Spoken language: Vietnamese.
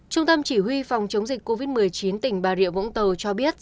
trung tâm chỉ huy phòng chống dịch covid một mươi chín tỉnh bà rịa vũng tàu cho biết